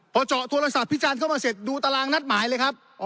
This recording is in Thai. พอเจาะโทรศัพท์พิการเข้ามาเสร็จดูตารางนัดหมายเลยครับ